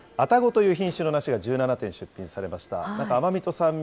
愛宕という品種の梨が１７点出品されました。